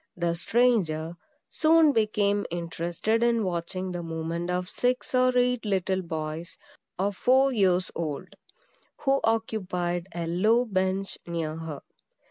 (the stranger) soon became interested in watching the movement of six or eight little boys, of four years old, who occupied a low bench near her.